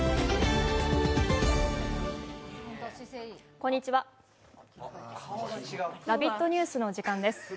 こんにちは、「ラヴィット！ニュース」の時間です。